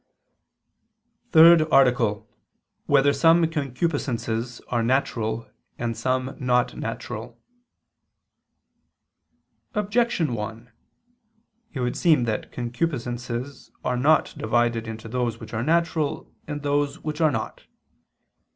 ________________________ THIRD ARTICLE [I II, Q. 30, Art. 3] Whether Some Concupiscences Are Natural, and Some Not Natural? Objection 1: It would seem that concupiscences are not divided into those which are natural and those which are not.